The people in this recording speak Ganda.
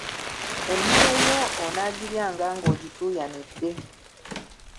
Emmere yo onaagiryanga ng'ogituuyanidde.